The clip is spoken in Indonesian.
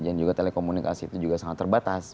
dan juga telekomunikasi itu juga sangat terbatas